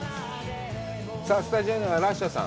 さあ、スタジオにはラッシャーさん。